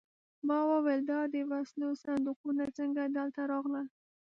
ما وویل دا د وسلو صندوقونه څنګه دلته راغلل